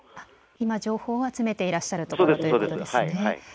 今、情報を集めていらっしゃるということですね。